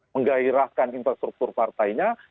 menggairahkan infrastruktur partainya